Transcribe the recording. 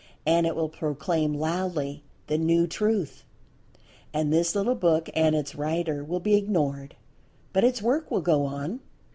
And it will proclaim loudly the "new" Truth. And this little book, and its writer will be ignored—but its work will go on.